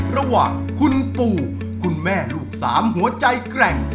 ระหว่างคุณปู่คุณแม่ลูกสามหัวใจแกร่ง